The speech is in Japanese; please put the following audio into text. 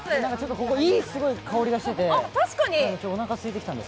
ここ、いいすごい香りがしてきて、おなかすいてきました。